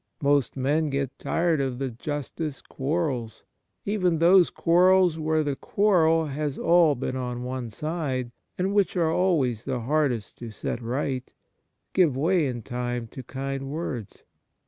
Most men get tired of the justest quarrels. Even those quarrels where the quarrel has all been on one side, and w^hich are always the hardest to set right, give way in time to kind words.